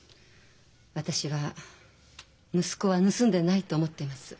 私は息子は盗んでないと思ってます。